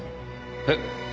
えっ？